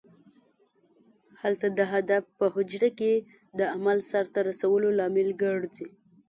هلته د هدف په حجره کې د عمل سرته رسولو لامل ګرځي.